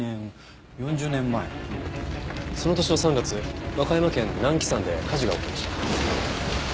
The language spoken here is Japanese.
その年の３月和歌山県南紀山で火事が起きました。